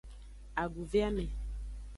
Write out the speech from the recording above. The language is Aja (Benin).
Aduveame.